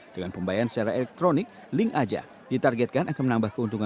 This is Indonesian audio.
dengan pembayaran secara elektronik link aja ditargetkan akan menambah keuntungan